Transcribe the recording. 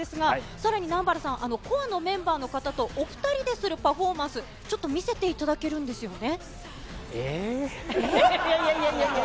さらに南原さん、鼓和ーｃｏｒｅーのメンバーの方と、お２人でするパフォーマンス、ちょっと見せていただけるんですよね。